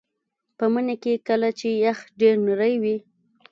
په مني کې کله چې یخ ډیر نری وي